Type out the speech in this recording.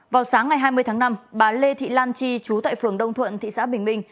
vào sáng ngày hai mươi tháng năm bà lê thị lan chi chú tại phường đông thuận thị xã bình minh